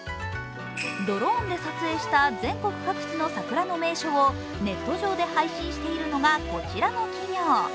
ドローンで撮影した全国各地の桜の名所をネット上で配信しているのがこちらの企業。